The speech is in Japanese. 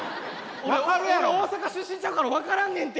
俺大阪出身ちゃうから分からんねんて！